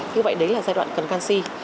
như vậy đấy là giai đoạn cần canxi